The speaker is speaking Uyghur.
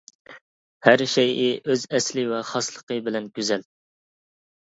ھەر شەيئى ئۆز ئەسلى ۋە خاسلىقى بىلەن گۈزەل.